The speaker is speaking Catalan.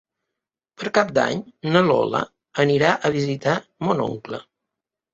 Per Cap d'Any na Lola anirà a visitar mon oncle.